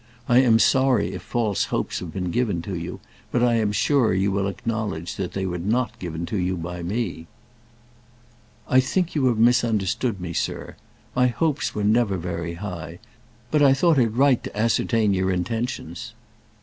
I am sorry if false hopes have been given to you; but I am sure you will acknowledge that they were not given to you by me." "I think you have misunderstood me, sir. My hopes were never very high; but I thought it right to ascertain your intentions."